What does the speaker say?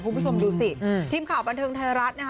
คุณผู้ชมดูสิทีมข่าวบันเทิงไทยรัฐนะคะ